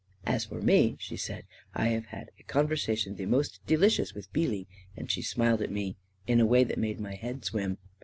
" As for me," she said, " I have had a conversa tion the most delicious with Beelee," and she smiled at me in a way that made my head swim.